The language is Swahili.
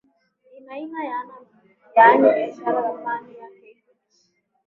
ina ina yaani biashara thamani yake iko juu